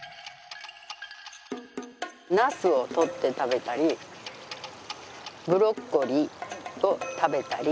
ナスをとって食べたりブロッコリーを食べたり。